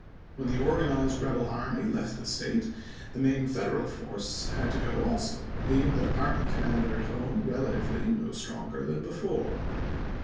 When the organized rebel army left the State, the main Federal force had to go also, leaving the department commander at home relatively no stronger than before.